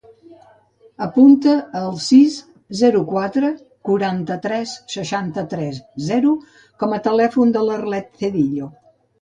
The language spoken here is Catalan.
Apunta el sis, zero, quatre, quaranta-tres, seixanta-tres, zero com a telèfon de l'Arlet Cedillo.